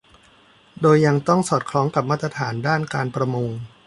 โดยยังต้องสอดคล้องกับมาตรฐานด้านการประมง